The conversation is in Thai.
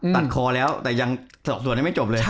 ตัดคอแล้วแต่ยังสอบส่วนยังไม่จบเลย